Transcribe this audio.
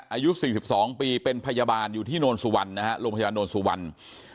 อายุ๔๒ปีเป็นพยาบาลอยู่ที่โรงพยาบาลโรนสุวรรณนะฮะ